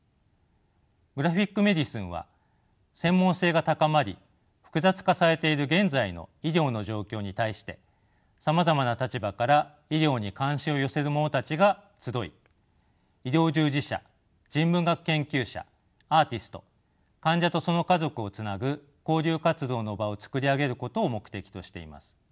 グラフィック・メディスンは専門性が高まり複雑化されている現在の医療の状況に対してさまざまな立場から医療に関心を寄せる者たちが集い医療従事者人文学研究者アーティスト患者とその家族をつなぐ交流活動の場を作り上げることを目的としています。